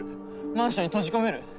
マンションに閉じ込める？